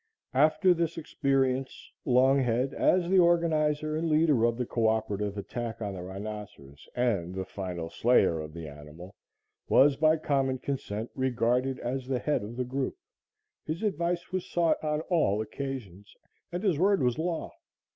After this experience, Longhead, as the organizer and leader of the coöperative attack on the rhinoceros and the final slayer of the animal, was, by common consent, regarded as the head of the group; his advice was sought on all occasions, and his word was law.